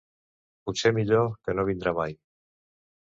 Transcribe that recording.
Potser millor que no vindrà mai...